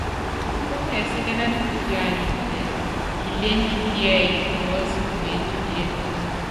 Pɛ́mɛsíkɛ́nɛ́nɛ kufialitɛ kilémbi kíɛ́yí puɔ́si umeépípíéne.